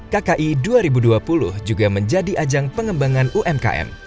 kki dua ribu dua puluh juga menjadi ajang pengembangan umkm